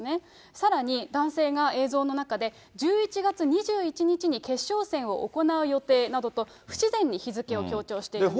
さらに男性が映像の中で、１１月２１日に決勝戦を行う予定などと、不自然に日付を強調しています。